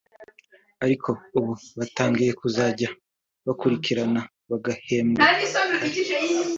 ariko ubu batangiye kuzajya bakurikirana bagahembwa kare